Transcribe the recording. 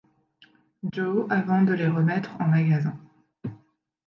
Joe avant de les remettre en magasin.